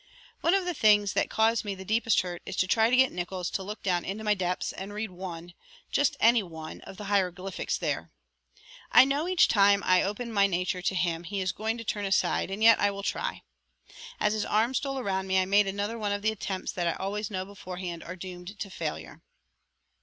One of the things that cause me the deepest hurt is to try to get Nickols to look down into my depths and read one, just any one, of the hieroglyphics there. I know each time I open my nature to him he is going to turn aside, and yet I will try. As his arm stole around me I made another one of the attempts that I always know beforehand are doomed to failure.